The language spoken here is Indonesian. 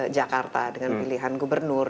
jakarta dengan pilihan gubernur